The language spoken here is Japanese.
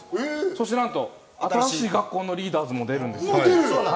そしてなんと新しい学校のリーダーズも出るんです。